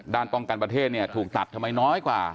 ป้องกันประเทศเนี่ยถูกตัดทำไมน้อยกว่า